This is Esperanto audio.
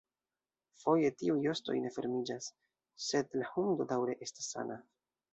Foje tiuj ostoj ne fermiĝas, sed la hundo daŭre estas sana.